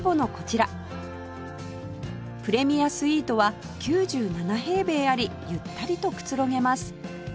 プレミアスイートは９７平米ありゆったりとくつろげます